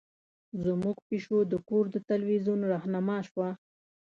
زمونږ پیشو د کور د تلویزیون رهنما شوه.